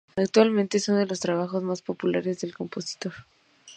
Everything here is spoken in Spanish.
Actualmente es uno de los trabajos más populares del compositor.